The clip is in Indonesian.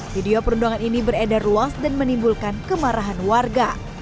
video perundangan ini beredar luas dan menimbulkan kemarahan warga